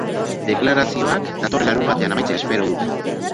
Deklarazioak datorren larunbatean amaitzea espero dute.